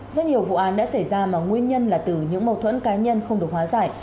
rất nhiều vụ án đã xảy ra mà nguyên nhân là từ những mâu thuẫn cá nhân không được hóa giải